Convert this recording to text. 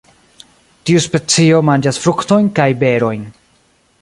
Tiu specio manĝas fruktojn kaj berojn.